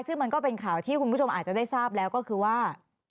ซึ่งมันก็เป็นข่าวที่คุณผู้ชมอาจจะได้ทราบแล้วก็คือว่า